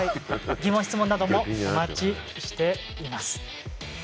疑問、質問などもお待ちしております。